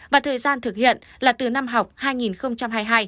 và thời gian thực hiện là từ năm học